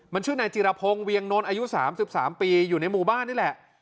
มันชื่อนายจิรพงศ์เวียงนนท์อายุ๓๓ปีอยู่ในหมู่บ้านนี่แหละ